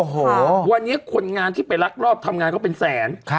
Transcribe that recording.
โอ้โหวันนี้คนงานที่ไปลักลอบทำงานเขาเป็นแสน